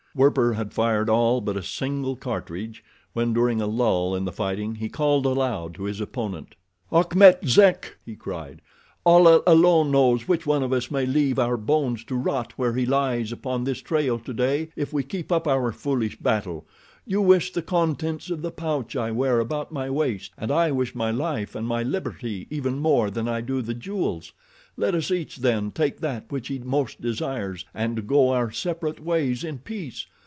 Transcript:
Werper had fired all but a single cartridge, when, during a lull in the fighting, he called aloud to his opponent. "Achmet Zek," he cried, "Allah alone knows which one of us may leave our bones to rot where he lies upon this trail today if we keep up our foolish battle. You wish the contents of the pouch I wear about my waist, and I wish my life and my liberty even more than I do the jewels. Let us each, then, take that which he most desires and go our separate ways in peace.